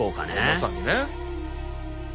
まさにね。